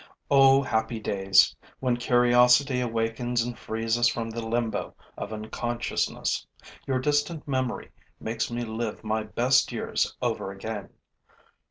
O happy days when curiosity awakens and frees us from the limbo of unconsciousness, your distant memory makes me live my best years over again.